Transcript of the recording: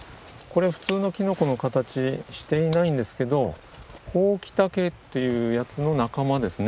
これ普通のきのこの形していないんですけどホウキタケというやつの仲間ですね。